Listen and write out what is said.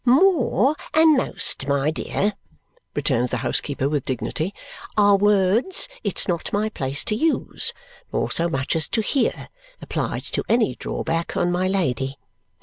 "More and most, my dear," returns the housekeeper with dignity, "are words it's not my place to use nor so much as to hear applied to any drawback on my Lady."